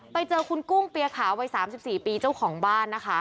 ไปเจอคุณกุ้งเปียขาววัย๓๔ปีเจ้าของบ้านนะคะ